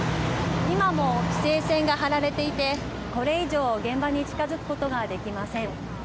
今も規制線が張られていてこれ以上現場に近づくことができません。